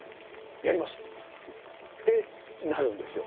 「やります！」ってなるんですよ。